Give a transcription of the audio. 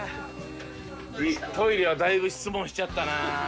いやあトイレはだいぶ質問しちゃったな。